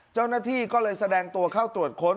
เจ้าหน้าที่ก็เลยแสดงตัวเข้าตรวจค้น